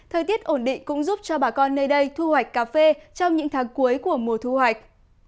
thời tiết ổn định cũng giúp cho bà con nơi đây thu hoạch cà phê trong những tháng cuối của mùa thu hoạch